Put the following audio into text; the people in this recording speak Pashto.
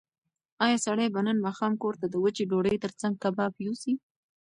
ایا سړی به نن ماښام کور ته د وچې ډوډۍ تر څنګ کباب یوسي؟